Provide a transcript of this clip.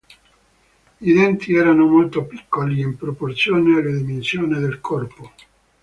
I denti erano molto piccoli in proporzione alle dimensioni del corpo.